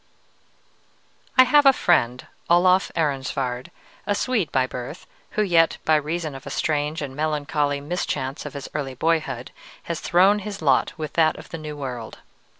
I have a friend, Olof Ehrensvärd, a Swede by birth, who yet, by reason of a strange and melancholy mischance of his early boyhood, has thrown his lot with that of the New World.